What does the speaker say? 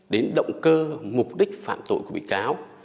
đến động cơ mục đích phạm tội của bị cáo